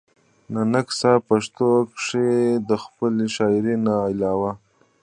ننګ صېب پښتو کښې َد خپلې شاعرۍ نه علاوه